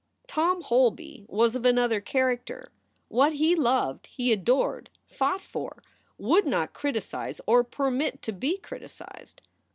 Tom Holby was of another character. What he loved he adored, fought for, would not criticize or permit to be criticized.